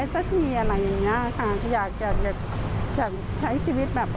อยากจะใช้ชีวิตแบบเออให้มันเป็นปกติ